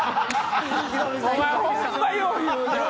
おまえホンマよう言うなぁ。